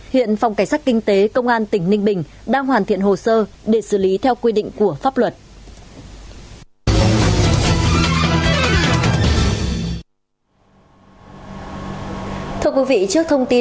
hiện phòng cảnh sát kinh tế công an tỉnh ninh bình đang hoàn thiện hồ sơ để xử lý theo quy định của pháp luật